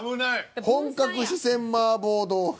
本格四川麻婆豆腐。